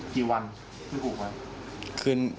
กี่วันทุกวัน